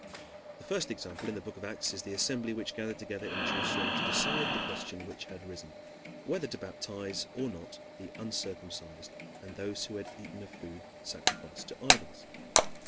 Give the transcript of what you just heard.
The first example in the book of Acts is the assembly which gathered together in Jerusalem to decide the question which had arisen, whether to baptize or not the uncircumcised and those who had eaten of food sacrificed to idols.